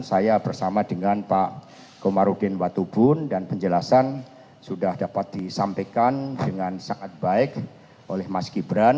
saya bersama dengan pak komarudin watubun dan penjelasan sudah dapat disampaikan dengan sangat baik oleh mas gibran